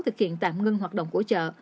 thực hiện tạm ngưng hoạt động của chợ